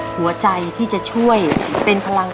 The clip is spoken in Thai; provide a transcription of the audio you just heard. หัวใจที่จะช่วยเป็นพลัง